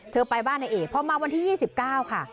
ไปบ้านนายเอกพอมาวันที่๒๙ค่ะ